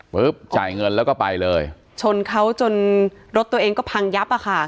จ่ายเงินแล้วก็ไปเลยชนเขาจนรถตัวเองก็พังยับอ่ะค่ะ